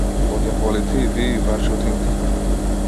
По ѓаволите и вие и вашиот интернет.